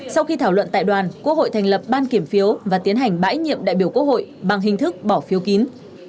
sau khi thảo luận tại đoàn quốc hội thành lập ban kiểm phiếu và tiến hành bãi nhiệm đại biểu quốc hội bằng hình thức bỏ phiếu kín